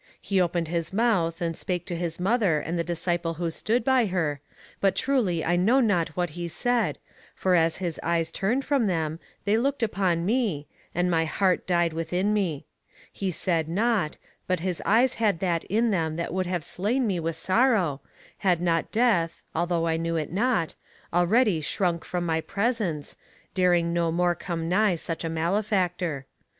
He opened his mouth and spake to his mother and the disciple who stood by her, but truly I know not what he said, for as his eyes turned from them, they looked upon me, and my heart died within me. He said nought, but his eyes had that in them that would have slain me with sorrow, had not death, although I knew it not, already shrunk from my presence, daring no more come nigh such a malefactor.